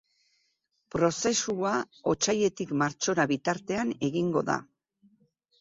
Prozesua otsailetik martxora bitartean egingo da.